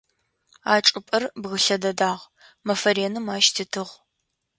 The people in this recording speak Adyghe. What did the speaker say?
А чӏыпӏэр бгылъэ дэдагъ, мэфэ реным ащ титыгъ.